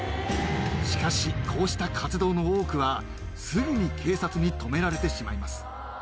しかし、こうした活動の多くは、すぐに警察に止められてしまいます。